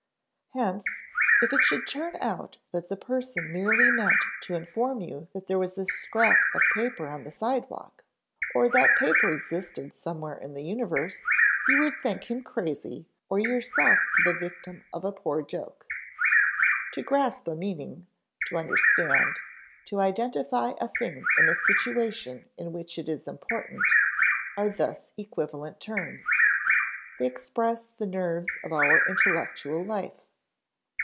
Hence, if it should turn out that the person merely meant to inform you that there was a scrap of paper on the sidewalk, or that paper existed somewhere in the universe, you would think him crazy or yourself the victim of a poor joke. To grasp a meaning, to understand, to identify a thing in a situation in which it is important, are thus equivalent terms; they express the nerves of our intellectual life.